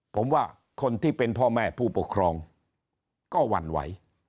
ผมว่าคนที่เป็นพ่อแม่ผู้ปกครองก็หวั่นไหว